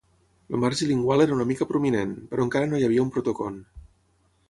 El marge lingual era una mica prominent, però encara no hi havia un protocon.